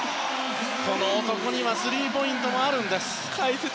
この男にはスリーポイントがあるんです！